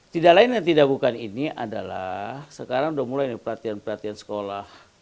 tidak lain yang tidak bukan ini adalah sekarang sudah mulai nih pelatihan pelatihan sekolah